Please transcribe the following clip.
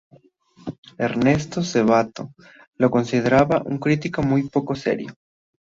Ernesto Sabato lo consideraba un crítico muy poco serio.